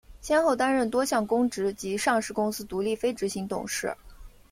先后担任多项公职及上市公司独立非执行董事。